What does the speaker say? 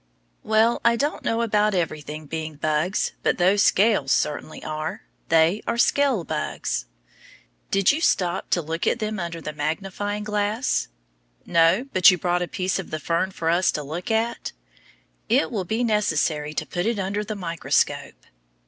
Well, I don't know about everything being bugs, but those scales certainly are. They are scale bugs. Did you stop to look at them under the magnifying glass? No, but you brought a piece of the fern for us to look at. It will be necessary to put it under the microscope.